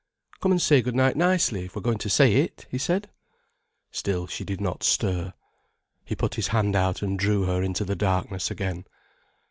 "Come and say good night nicely, if we're going to say it," he said. Still she did not stir. He put his hand out and drew her into the darkness again.